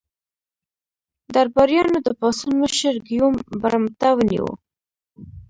درباریانو د پاڅون مشر ګیوم برمته ونیو.